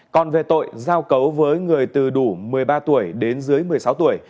còn về tội giao cấu với người từ đủ một mươi ba tuổi đến dưới một mươi sáu tuổi